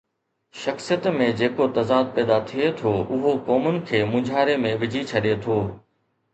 شخصيت ۾ جيڪو تضاد پيدا ٿئي ٿو اهو قومن کي مونجهاري ۾ وجهي ڇڏي ٿو.